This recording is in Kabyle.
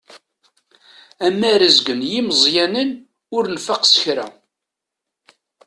Amarezg n yimeẓẓyanen ur nfaq s kra.